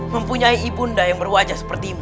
mempunyai ibu nda yang berwajah seperti mu